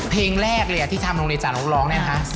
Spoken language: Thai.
เพลงแรกเลยที่ทำโรงเรียนจากน้องร้องเนี่ยนะคะ